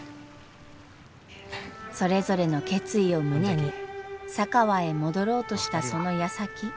それぞれの決意を胸に佐川へ戻ろうとしたそのやさき。